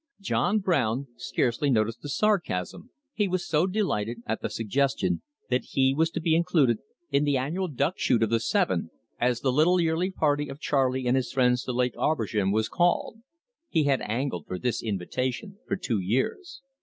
John Brown scarcely noticed the sarcasm, he was so delighted at the suggestion that he was to be included in the annual duck shoot of the Seven, as the little yearly party of Charley and his friends to Lake Aubergine was called. He had angled for this invitation for two years.